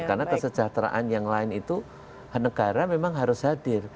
karena kesejahteraan yang lain itu negara memang harus hadir